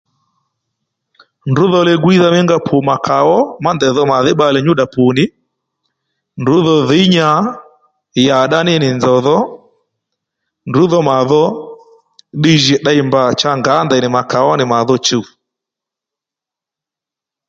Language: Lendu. Ndrǔ dho ligwídha mí nga pù mà kà ó ma ndèydho màdhí bbalè nyúdda pù nì ndrǔ dho dhǐy nya yaddá nínì nzòw dho ndrǔdho màdho ddiy djì ddey mbà cha ngǎ ndèynì mà kàó nì màdho chùw